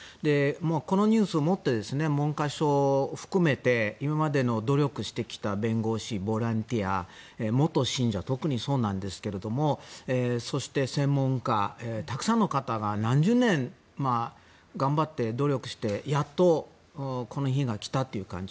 このニュースをもって文科省を含めて今まで努力してきた弁護士、ボランティア元信者特にそうなんですけれどもそして、専門家、たくさんの方が何十年頑張って努力してやっとこの日が来たという感じ。